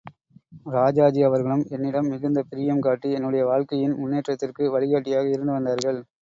ராஜாஜி அவர்களும் என்னிடம் மிகுந்த பிரியம் காட்டி என்னுடைய வாழ்க்கையின் முன்னேற்றத்திற்கு வழிகாட்டியாக இருந்து வந்தார்கள்.